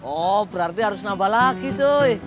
oh berarti harus nambah lagi sih